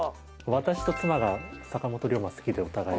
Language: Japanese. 私と妻が坂本龍馬好きでお互い。